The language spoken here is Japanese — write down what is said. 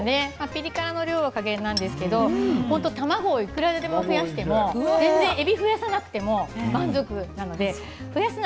ピリ辛の量は加減なんですけれど卵はいくらでも増やしてもえびを増やさなくても満足です。